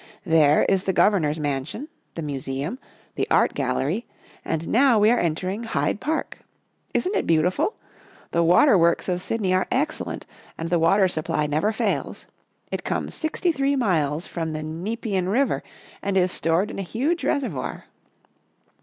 There is the Governor's Mansion, the Museum, the Art Gallery, and now we are entering Hyde Park. Isn't it beautiful? The water works of Sydney are excellent and the water supply never fails. It comes sixty three miles from the Ne pean River and is stored in a huge reservoir.